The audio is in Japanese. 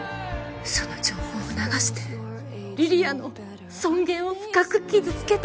嘘の情報を流して梨里杏の尊厳を深く傷つけた。